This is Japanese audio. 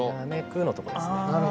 「煌く」のとこですね。